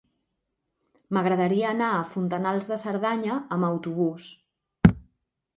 M'agradaria anar a Fontanals de Cerdanya amb autobús.